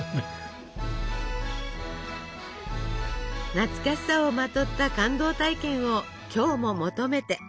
懐かしさをまとった感動体験を今日も求めて。